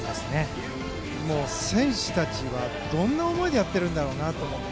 もう、選手たちはどんな思いでやっているんだろうなと思って。